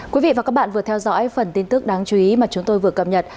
quý vị và các bạn vừa theo dõi phần tin tức đáng chú ý mà chúng tôi vừa cập nhật